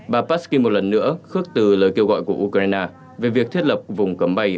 bà pashki một lần nữa khước từ lời kêu gọi của ukraine về việc thiết lập vùng cấm bay